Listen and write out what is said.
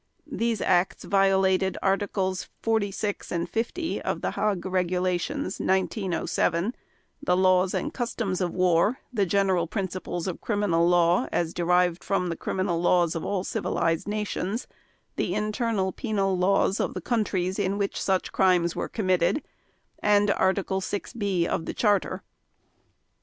These acts violated Articles 46 and 50 of the Hague Regulations, 1907, the laws and customs of war, the general principles of criminal law as derived from the criminal laws of all civilized nations, the internal penal laws of the countries in which such crimes were committed, and Article 6 (b) of the Charter.